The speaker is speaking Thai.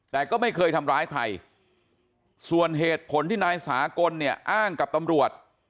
แต่ก็ไม่เคยทำร้ายใครส่วนเหตุผลที่นายสากลเนี่ยอ้างกับตำรวจ